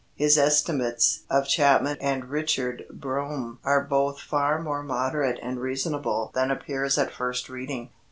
His estimates of Chapman and Richard Brome are both far more moderate and reasonable than appears at first reading.